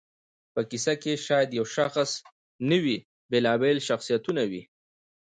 په کیسه کښي شاید یو شخص نه وي، بېلابېل شخصیتونه وي.